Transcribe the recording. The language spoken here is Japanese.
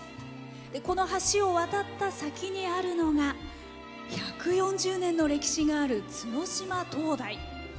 この橋を渡った先にあるのが１４０年の歴史がある角島灯台。